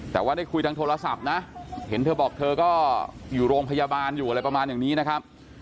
แต่ว่าได้คุยทางโทรศัพท์นะเห็นเธอบอกเธอก็อยู่โรงพยาบาลอยู่อะไรประมาณอย่างนี้นะครับ